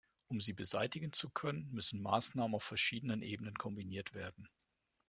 Um sie beseitigen zu können, müssen Maßnahmen auf verschiedenen Ebenen kombiniert werden.